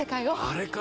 あれか。